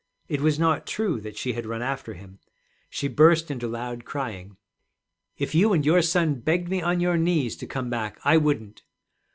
It was not true that she had run after him. She burst into loud crying. 'If you and your son begged me on your knees to come back, I wouldn't.'